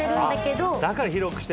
だから広くしてんだ。